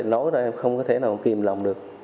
thì nói ra em không có thể nào kìm lòng được